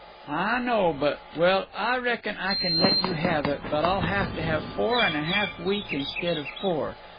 "Ah know, but—well, Ah reckon Ah can let you have it, but Ah'll have to have four and a half a week instead of four.